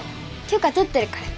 許可とってるから